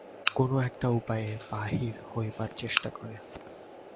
কোনো একটা উপায়ে বাহির হইবার চেষ্টা করে।